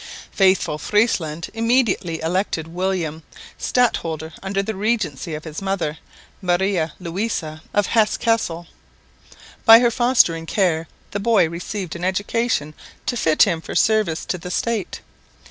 Faithful Friesland immediately elected William stadholder under the regency of his mother, Maria Louisa of Hesse Cassel. By her fostering care the boy received an education to fit him for service to the State.